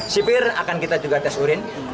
sipir akan kita juga tes urin